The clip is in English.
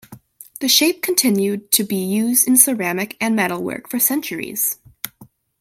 The shape continued to be used in ceramic and metalwork for centuries.